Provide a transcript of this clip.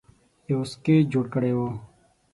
یو سکیچ جوړ کړی وو